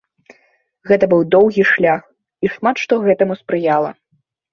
Гэты быў доўгі шлях, і шмат што гэтаму спрыяла.